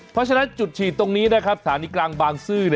เพราะฉะนั้นจุดฉีดตรงนี้นะครับสถานีกลางบางซื่อ